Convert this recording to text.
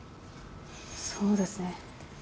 そうですね。